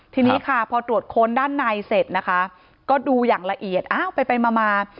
ทีนี้พอตรวจโคนด้านในเสร็จก็ดูอย่างละเอียดอ้าวไปมา